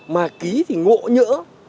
mà ký thì ngộ nhỡ